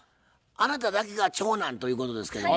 あなただけが長男ということですけども。